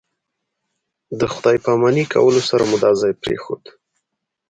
د خدای پاماني کولو سره مو دا ځای پرېښود.